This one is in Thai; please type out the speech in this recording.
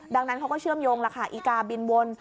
ดังนั้นเขาก็เชื่อมโยงล่ะค่ะอีกาบินวน